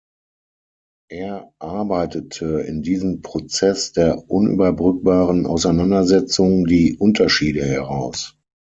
Er arbeitete in diesen Prozess der unüberbrückbaren Auseinandersetzung die Unterschiede heraus.